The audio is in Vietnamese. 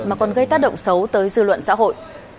mà còn gây tác động xấu tới dư luận xã hội